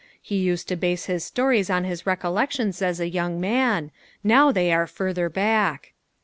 He used to base his stories on his recollections as a young man, now they are further back.